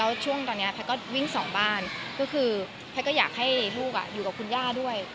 แล้วช่วงตอนนี้แพทย์ก็วิ่งสองบ้านก็คือแพทย์ก็อยากให้ลูกอยู่กับคุณย่าด้วย